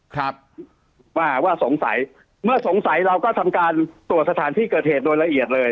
ครับว่าว่าสงสัยเมื่อสงสัยเราก็ทำการตรวจสถานที่เกิดเหตุโดยละเอียดเลย